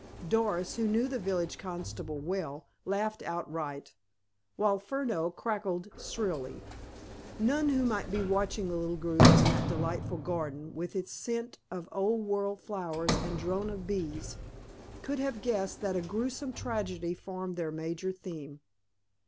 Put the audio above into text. Doris, who knew the village constable well, laughed outright, while Furneaux cackled shrilly. None who might be watching the little group in that delightful garden, with its scent of old world flowers and drone of bees, could have guessed that a grewsome tragedy formed their major theme.